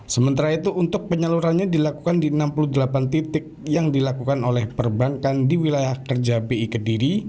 sementara itu untuk penyalurannya dilakukan di enam puluh delapan titik yang dilakukan oleh perbankan di wilayah kerja bi kediri